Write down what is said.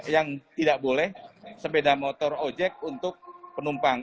yang tidak boleh sepeda motor ojek untuk penumpang